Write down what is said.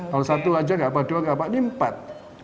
kalau satu saja tidak apa apa dua tidak apa apa ini empat